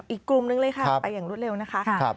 อีกกลุ่มนึงเลยค่ะไปอย่างรวดเร็วนะคะ